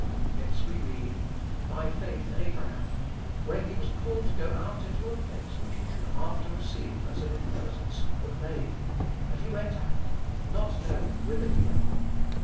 Hence we read, "by faith Abraham, when he was called to go out into a place which he should after receive as an inheritance obeyed, and he went out, not knowing whither he went."